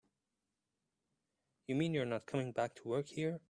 You mean you're not coming back to work here?